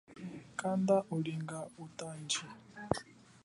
Kanda ulinga utanji.